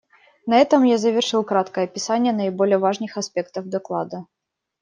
На этом я завершил краткое описание наиболее важных аспектов доклада.